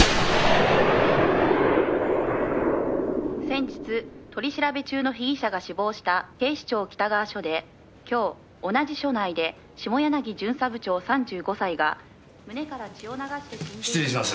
「先日取り調べ中の被疑者が死亡した警視庁北川署で今日同じ署内で下柳巡査部長３５歳が胸から血を流して死んでいるのを」